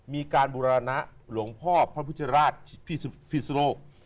มีการบูรณะหลวงพ่อพระพุทธราชพิศโลก